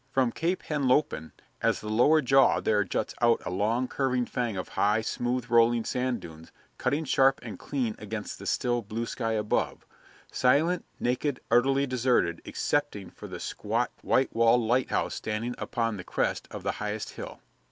From Cape Henlopen as the lower jaw there juts out a long, curving fang of high, smooth rolling sand dunes, cutting sharp and clean against the still, blue sky above silent, naked, utterly deserted, excepting for the squat, white walled lighthouse standing upon the crest of the highest hill.